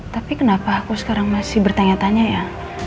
tapi kenapa aku sekarang masih bertanya tanya ya